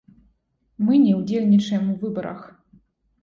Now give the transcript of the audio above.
Мы не ўдзельнічаем у выбарах!